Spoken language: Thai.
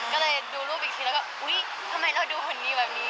ก็เลยดูรูปอีกทีแล้วก็อุ๊ยทำไมเราดูหนี้แบบนี้